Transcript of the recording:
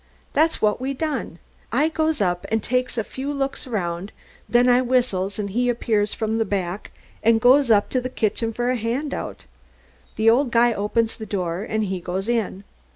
That's what we done. I goes up an' takes a few looks aroun', then I whistles an' he appears from the back, an' goes up to the kitchen for a handout. The old guy opens the door, an' he goes in.